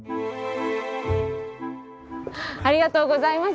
ありがとうございます。